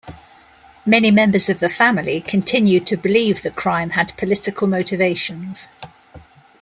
Many members of the family continue to believe the crime had political motivations.